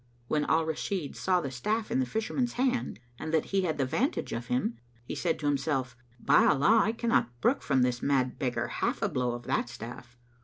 When Al Rashid saw the staff in the Fisherman's hand and that he had the vantage of him, he said to himself, "By Allah, I cannot brook from this mad beggar half a blow of that staff!"